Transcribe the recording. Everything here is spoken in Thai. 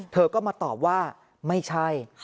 เธอก็มาตอบว่าไม่ใช่